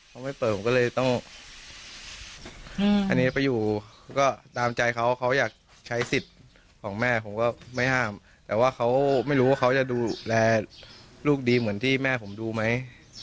เขาไม่เปิดผมก็เลยต้องอันนี้ไปอยู่ก็ตามใจเขาเขาอยากใช้สิทธิ์ของแม่ผมก็ไม่ห้ามแต่ว่าเขาไม่รู้ว่าเขาจะดูแลลูกดีเหมือนที่แม่ผมดูไหม